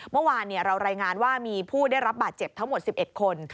เมื่อวานเรารายงานว่ามีผู้ได้รับบาดเจ็บทั้งหมด๑๑คน